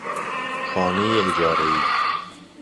خانه اجاره ای